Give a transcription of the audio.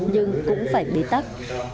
nhưng cũng phải bế tắc